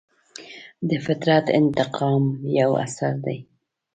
د فطرت انتقام یو اثر دی.